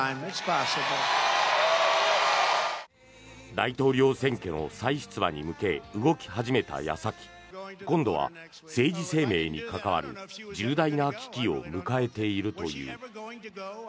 大統領選挙の再出馬に向け動き始めた矢先今度は政治生命に関わる重大な危機を迎えているという。